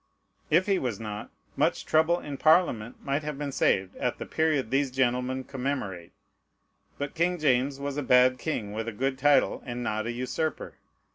If he was not, much trouble in Parliament might have been saved at the period these gentlemen commemorate. But King James was a bad king with a good title, and not an usurper.